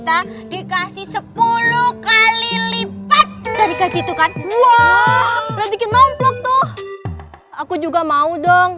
aku juga mau